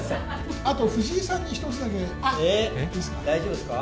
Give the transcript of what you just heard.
あと藤井さんに１つだけ、いいですか？